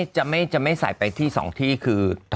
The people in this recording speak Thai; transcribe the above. จะไม่ใส่ไปที่๒ที่คือ